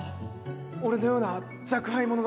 俺のような若輩者が。